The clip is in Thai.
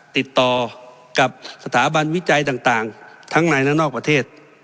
ติดต่อกับสถาบันวิจัยต่างทั้งในและนอกประเทศ